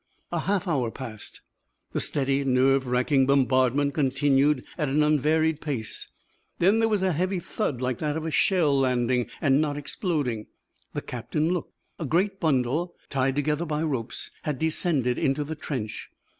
A half hour passed. The steady, nerve racking bombardment continued at an unvaried pace. Then there was a heavy thud like that of a shell landing and not exploding. The captain looked. A great bundle, tied together by ropes, had descended into the trench.